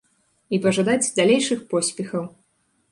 І пажадаць далейшых поспехаў!